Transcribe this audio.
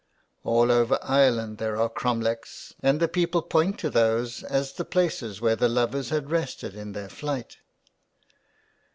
All over Ireland there are crom lechs, and the people point to those as the places where the lovers had rested in their flight.